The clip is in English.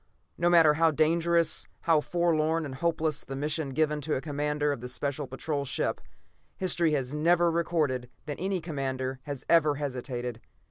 No matter how dangerous, how forlorn and hopeless the mission given to a commander of a Special Patrol ship, history has never recorded that any commander has ever hesitated.